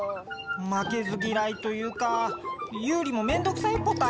まけずぎらいというかユウリもめんどくさいポタね。